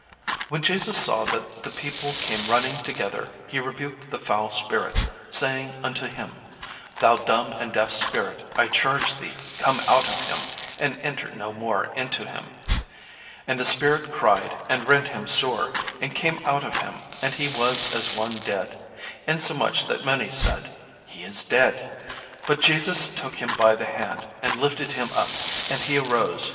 When Jesus saw that the people came running together, he rebuked the foul spirit, saying unto him: "Thou dumb and deaf spirit, I charge thee, come out of him, and enter no more into him." And the spirit cried, and rent him sore, and came out of him: and he was as one dead; insomuch that many said, "He is dead." But Jesus took him by the hand, and lifted him up; and he arose.